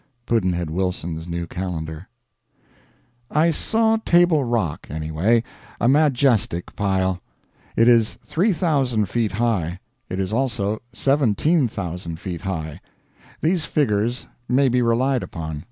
Pudd'nhead Wilson's New Calendar. I saw Table Rock, anyway a majestic pile. It is 3,000 feet high. It is also 17,000 feet high. These figures may be relied upon.